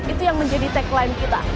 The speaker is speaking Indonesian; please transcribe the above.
itu yang menjadi tagline kita